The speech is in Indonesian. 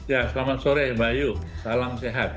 ya selamat sore mbak ayu salam sehat